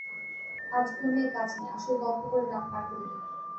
আজ ঘুমিয়ে কাজ নেই, আসুন গল্প করে রাত পার করে দিই।